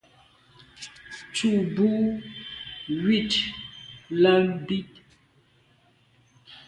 Tshu bo ywit là bit.